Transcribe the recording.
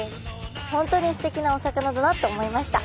本当にすてきなお魚だなと思いました。